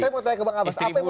saya mau tanya ke bang abbas